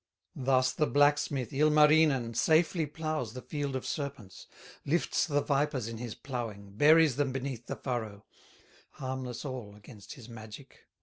Thus the blacksmith, Ilmarinen, Safely plows the field of serpents, Lifts the vipers in his plowing, Buries them beneath the furrow, Harmless all against his magic.